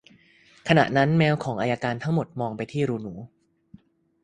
ขณะนั้น แมวของอัยการทั้งหมดมองไปที่รูหนู